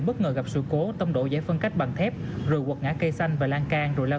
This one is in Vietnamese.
bất ngờ gặp sự cố tâm đổ giải phân cách bằng thép rồi quật ngã cây xanh và lan can rồi lao